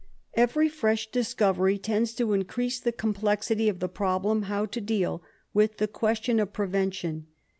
Every fresh discovery tends to increase the complexity of the problem how to deal with the question of prevention.